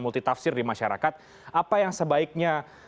multitafsir di masyarakat apa yang sebaiknya